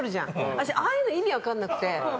私、ああいうの意味分かんなくて。